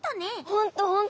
ほんとほんと。